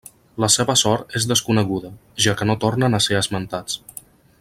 La seva sort és desconeguda, ja que no tornen a ser esmentats.